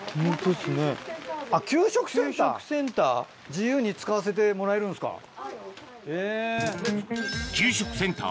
自由に使わせてもらえるんですかへぇ。